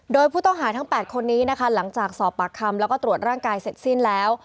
โดยผู้ต้องหาทั้ง๘คนนี้นะคะหลังจากสอบปากคำแล้วก็ตรวจร่างกายเสร็จสิ้นแล้ว